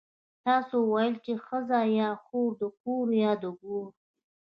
تاسو ويل چې ښځه يا خو د کور ده يا د ګور.